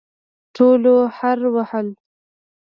ټولو هررر وهل.